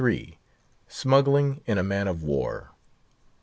SMUGGLING IN A MAN OF WAR.